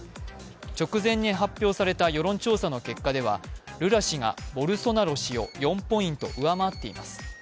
直前に発表された世論調査の結果ではルラ氏がボルソナロ氏を４ポイントうわまっています。